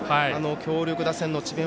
強力打線の智弁